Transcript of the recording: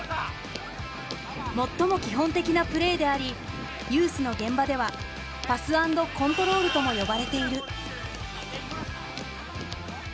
最も基本的なプレーでありユースの現場では「パス＆コントロール」とも呼ばれている。